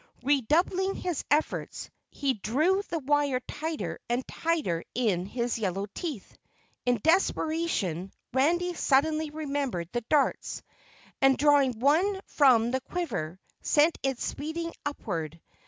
Redoubling his efforts, he drew the wire tighter and tighter in his yellow teeth. In desperation, Randy suddenly remembered the darts, and drawing one from the quiver, sent it speeding upward.